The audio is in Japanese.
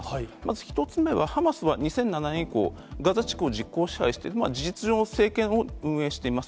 まず１つ目は、ハマスは２００７年以降、ガザ地区を実効支配しているのは事実上の政権を運営しています。